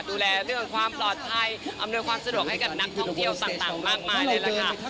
ดูแลเรื่องความปลอดภัยอำนวยความสะดวกให้กับนักท่องเที่ยวต่างมากมายเลยล่ะค่ะ